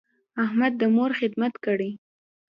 احمد د مور خدمت کړی.